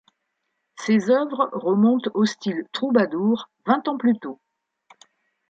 Ses œuvres remontent au style troubadour vingt ans plus tôt.